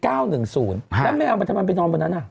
แล้วแม่เอามาทำมันไปนอนบนนั้น